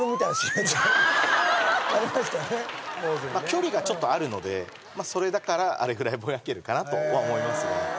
距離がちょっとあるのでそれだからあれぐらいボヤけるかなとは思いますね